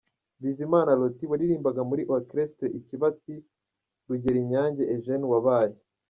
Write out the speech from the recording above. Bizimana Lotti waririmbaga muri Orchestre ikibatsi, Rugerinyange Eugène wabaye.